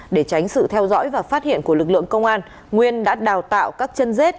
để tránh sự theo dõi và phát hiện của lực lượng công an nguyên đã đào tạo các chân dết